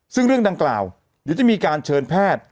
ซึ่งเรื่องดังกล่าวเดี๋ยวจะมีการเชิญแพทย์